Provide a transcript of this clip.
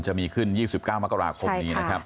จะมีขึ้น๒๙มกราคมนี้นะครับ